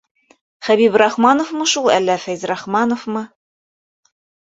Хәбибрахмановмы шул, әллә Фәйзрахмановмы?